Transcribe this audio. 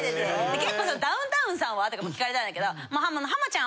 で結構さダウンタウンさんは？とかも聞かれたんだけど。